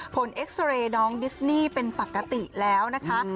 เอ็กซาเรย์น้องดิสนี่เป็นปกติแล้วนะคะ